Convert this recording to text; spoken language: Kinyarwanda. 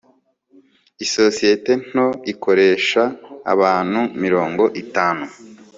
isosiyete nto ikoresha abantu mirongo itanu